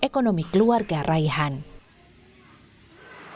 kondisi raihan mengundang perhatian sejumlah pihak